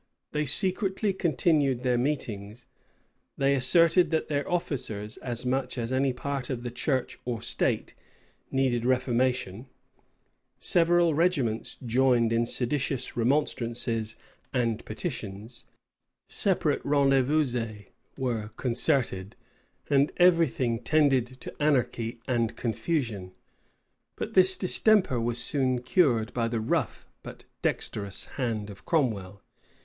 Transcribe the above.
They secretly continued their meetings: they asserted, that their officers, as much as any part of the church or state, needed reformation: several regiments joined in seditious remonstrances and petitions:[*] separate rendezvouses were concerted; and every thing tended to anarchy and confusion. But this distemper was soon cured by the rough but dexterous hand of Cromwell.